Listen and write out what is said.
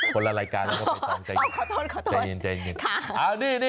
โทรนรายการแล้วก็ไปตรงใจเงียบ